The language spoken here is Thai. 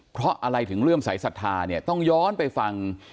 เพราะอะไรถึงเรื่องสายศรัทธาเนี่ยต้องย้อนไปฟัง